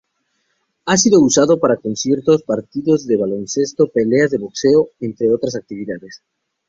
Ha sido usado para conciertos, partidos de baloncesto, peleas de boxeo entre otras actividades.